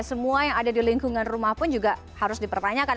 semua yang ada di lingkungan rumah pun juga harus dipertanyakan